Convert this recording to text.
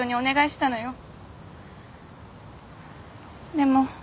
でも。